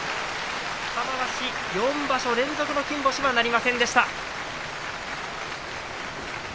玉鷲、４場所連続の金星はなりませんでした。